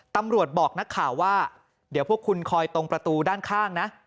บอกนักข่าวว่าเดี๋ยวพวกคุณคอยตรงประตูด้านข้างนะ